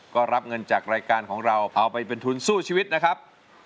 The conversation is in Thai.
ก็รับเงินจากรายการของเราเอาไปเป็นทุนสู้ชีวิตนะครับ